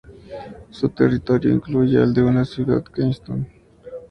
Su territorio incluye al de una ciudad, Keystone.